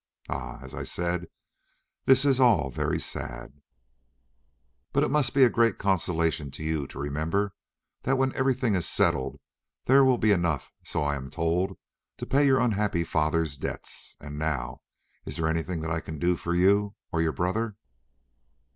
Ah! as I said, this is all very sad, but it must be a great consolation to you to remember that when everything is settled there will be enough, so I am told, to pay your unhappy father's debts. And now, is there anything that I can do for you or your brother?"